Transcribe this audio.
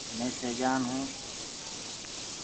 مي سيجآن هونٚ۔